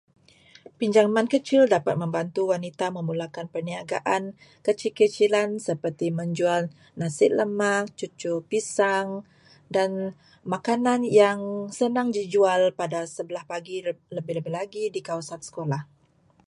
Pinjaman kecil dapat membantu wanita memulakan perniagaan kecil-kecilan seperti menjual nasi lemak, cucur pisang dan makanan yang senang dijual pada sebelah pagi, lebih-lebih lagi di kawasan sekolah.